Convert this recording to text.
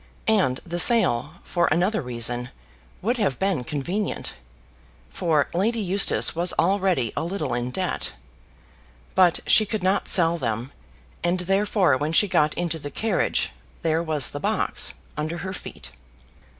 And the sale, for another reason, would have been convenient; for Lady Eustace was already a little in debt. But she could not sell them, and therefore when she got into the carriage there was the box under her feet.